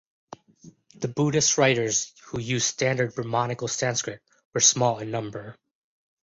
The Buddhist writers who used standard Brahmanical Sanskrit were small in number.